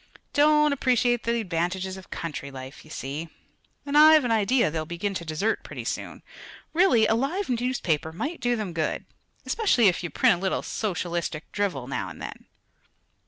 Don't appreciate the advantages of country life, you see, and I've an idea they'll begin to desert, pretty soon. Really, a live newspaper might do them good especially if you print a little socialistic drivel now and then."